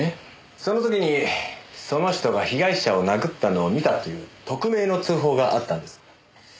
その時にその人が被害者を殴ったのを見たという匿名の通報があったんです。